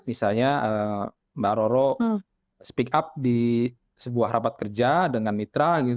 misalnya mbak roro speak up di sebuah rapat kerja dengan mitra